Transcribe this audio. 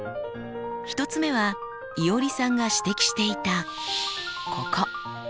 １つ目はいおりさんが指摘していたここ。